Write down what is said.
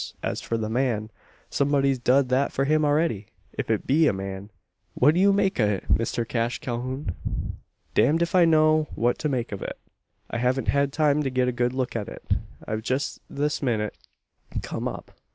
As for the man, someb'y's dud thet for him arready if it be a man. What do you make o' it, Mister Cash Calhoun?" "Damned if I know what to make of it. I haven't had time to get a good look at it. I've just this minute come up.